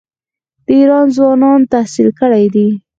د ایران ځوانان تحصیل کړي دي.